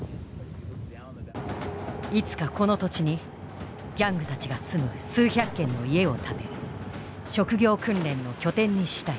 いつかこの土地にギャングたちが住む数百軒の家を建て職業訓練の拠点にしたい。